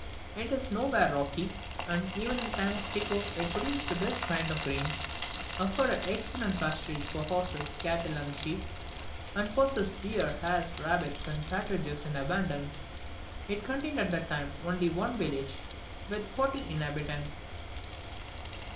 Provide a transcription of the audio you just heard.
It is nowhere rocky, and even in the time of Tycho it produced the best kinds of grain, afforded excellent pasturage for horses, cattle, and sheep, and possessed deer, hares, rabbits, and partridges in abundance. It contained at that time only one village, with about forty inhabitants.